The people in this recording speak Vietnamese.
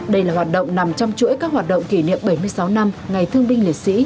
đây là hoạt động nằm trong chuỗi các hoạt động kỷ niệm bảy mươi sáu năm ngày thương binh liệt sĩ